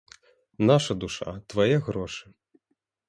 Наша душа, твае грошы!